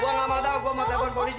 gue gak mau tau gue mau telepon polisi